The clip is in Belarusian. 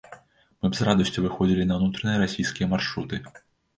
Мы б з радасцю выходзілі на ўнутраныя расійскія маршруты.